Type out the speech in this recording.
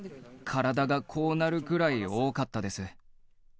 体がこうなるくらい多かったです。